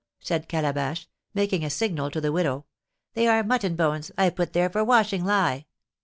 said Calabash, making a signal to the widow. "They are mutton bones I put there for washing lye."